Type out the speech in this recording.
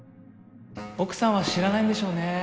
奥さんは知らないんでしょうね。